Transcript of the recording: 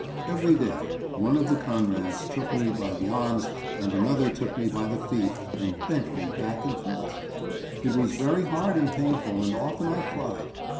Every day one of the Conrads took me by the arms and another took me by the feet and bent me back and forth. It was very hard and painful and often I cried.